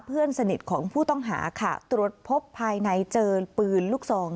เพื่อนสนิทของผู้ต้องหาค่ะตรวจพบภายในเจอปืนลูกซอง